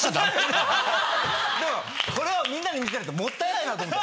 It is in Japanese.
これはみんなに見せないともったいないなと思って。